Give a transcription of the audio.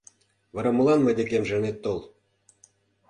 Вара молан мый декемже ынет тол?